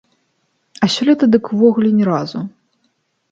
А сёлета дык увогуле ні разу.